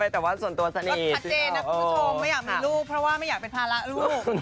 ถัดเจ๊นะคุณผู้ชมไม่อยากมีลูกเพราะว่าไม่อยากเป็นพาลังอุ๊ยลูก